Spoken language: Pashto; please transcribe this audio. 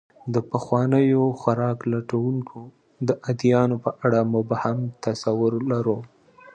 د پخوانیو خوراک لټونکو د ادیانو په اړه مبهم تصور لرو.